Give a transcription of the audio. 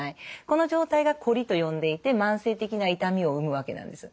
この状態がこりと呼んでいて慢性的な痛みを生むわけなんです。